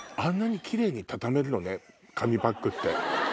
紙パックって。